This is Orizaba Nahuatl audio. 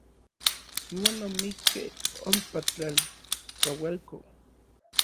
Iuan omikkej ompa tlalkaualko.